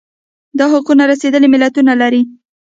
دا حقونه رسېدلي ملتونه لرل